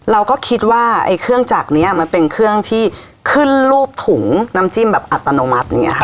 เราก็คิดว่าไอ้เครื่องจักรนี้มันเป็นเครื่องที่ขึ้นรูปถุงน้ำจิ้มแบบอัตโนมัติอย่างนี้ค่ะ